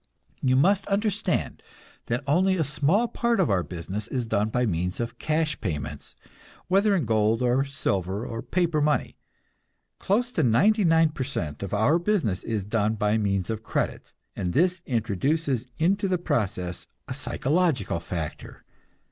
You must understand that only a small part of our business is done by means of cash payments, whether in gold or silver or paper money. Close to 99% of our business is done by means of credit, and this introduces into the process a psychological factor.